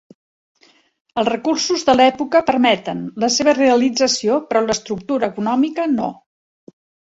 Els recursos de l'època permeten la seua realització, però l'estructura econòmica no.